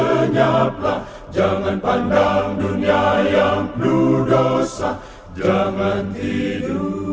tetapi jalan yang benar